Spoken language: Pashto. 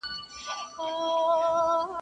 سړى پښې د خپلي کمبلي سره غځوي.